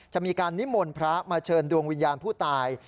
จะมีการนิมนต์พระมาเชิญดวงวิญญาณผู้ตาย